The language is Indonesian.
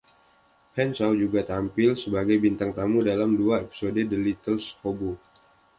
Henshaw juga tampil sebagai bintang tamu dalam dua episode "The Littlest Hobo".